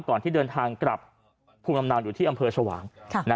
ก่อนที่เดินทางกลับภูมิลำเนาอยู่ที่อำเภอชวาง